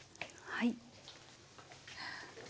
はい。